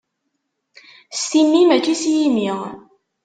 S timmi mačči s yimi.